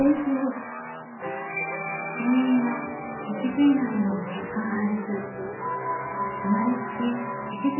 原因は脊髄内の血管破裂。